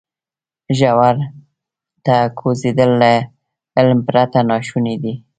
ژورو ته کوزېدل له علم پرته ناشونی دی.